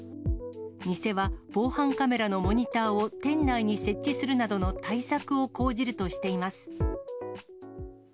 店は防犯カメラのモニターを店内に設置するなどの対策を講じるとしています。